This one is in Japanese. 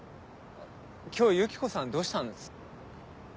今日ユキコさんどうしたんす。